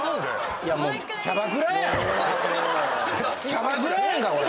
キャバクラやんかこれ！